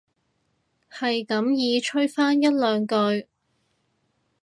係咁依吹返一兩句